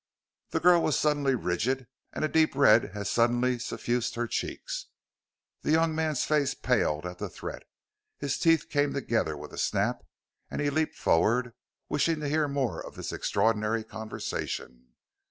The girl was suddenly rigid and a deep red as suddenly suffused her cheeks. The young man's face paled at the threat, his teeth came together with a snap, and he leaned forward, wishing to hear some more of this extraordinary conversation.